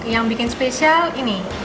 yang bikin spesial ini